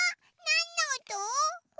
なんのおと？